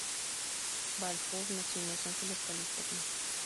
Balfour nació en Los Ángeles, California.